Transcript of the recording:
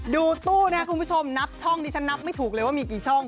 ดูตู้นะคุณผู้ชมช่องนี่ฉันนับไม่ถูกเลยว่ามีกี่ช่อง